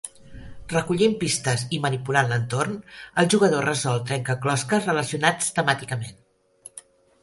Recollint pistes i manipulant l'entorn, el jugador resol trencaclosques relacionats temàticament.